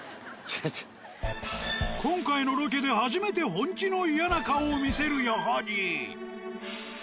今回のロケで初めて本気の嫌な顔を見せる矢作。